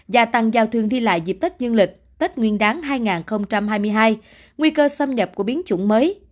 gia tăng giao thương đi lại dịp tết dương lịch tết nguyên đáng hai nghìn hai mươi hai nguy cơ xâm nhập của biến chủng mới